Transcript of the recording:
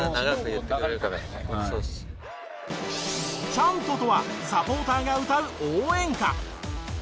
チャントとはサポーターが歌う応援歌。